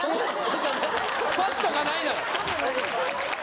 パスとかないだろ。